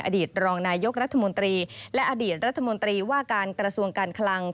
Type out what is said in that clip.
อดีตรองนายกรัฐมนตรีและอดีตรัฐมนตรีว่าการกระทรวงการคลัง